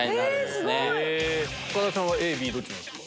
すごい！岡田さんはＡＢどっちなんですか？